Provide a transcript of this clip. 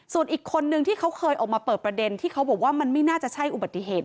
ส่วนอีกคนนึงที่เขาเคยออกมาเปิดประเด็นที่เขาบอกว่ามันไม่น่าจะใช่อุบัติเหตุ